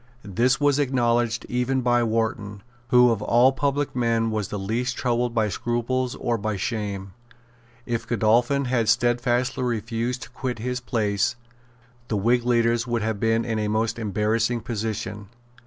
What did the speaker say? This was acknowledged even by Wharton, who of all public men was the least troubled by scruples or by shame. If Godolphin had stedfastly refused to quit his place, the Whig leaders would have been in a most embarrassing position.